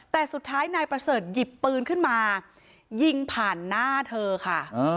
แต่สุดท้ายนายประเสริฐหยิบปืนขึ้นมายิงผ่านหน้าเธอค่ะ